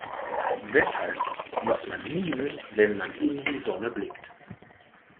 Weshalb muss man niesen, wenn man in die Sonne blickt?